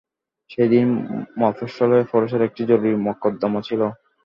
সেইদিন মফস্বলে পরেশের একটি জরুরি মকদ্দমা ছিল।